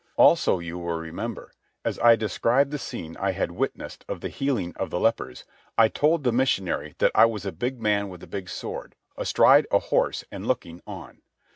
Also you will remember, as I described the scene I had witnessed of the healing of the lepers, I told the missionary that I was a big man with a big sword, astride a horse and looking on.